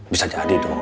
bisa jadi dong